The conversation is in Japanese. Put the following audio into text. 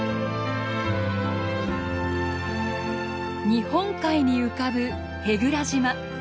日本海に浮かぶ舳倉島。